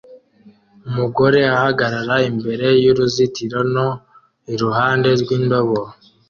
Umugore ahagarara imbere y'uruzitiro no iruhande rw'indobo